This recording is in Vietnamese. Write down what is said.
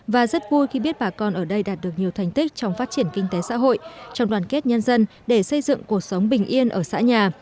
và rất vui khi biết bà con ở đây đạt được nhiều thành tích trong phát triển kinh tế xã hội trong đoàn kết nhân dân để xây dựng cuộc sống bình yên ở xã nhà